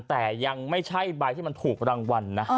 แต่ยังไม่ใช่ใบที่มันถูกรางวัลนะ